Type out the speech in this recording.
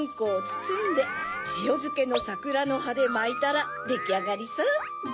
つつんでしおづけのさくらのはでまいたらできあがりさ。